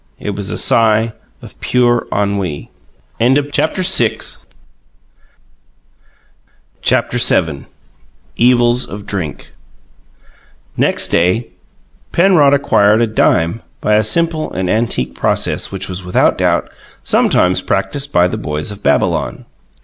It was a sigh of pure ennui. CHAPTER VII EVILS OF DRINK Next day, Penrod acquired a dime by a simple and antique process which was without doubt sometimes practised by the boys of Babylon.